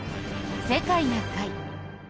「世界な会」。